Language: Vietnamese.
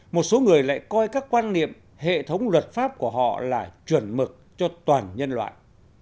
một số người lại coi các quan niệm hệ thống luật pháp của họ là chuẩn mực cho toàn nhân loại